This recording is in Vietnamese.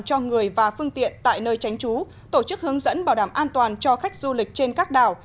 cho người và phương tiện tại nơi tránh trú tổ chức hướng dẫn bảo đảm an toàn cho khách du lịch trên các đảo